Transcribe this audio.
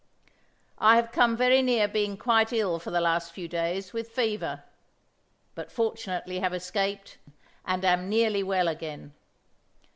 "I have come very near being quite ill for the last few days with fever, but fortunately have escaped and am nearly well again.